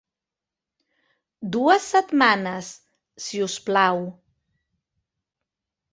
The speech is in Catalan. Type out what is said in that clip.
Dues setmanes, si us plau.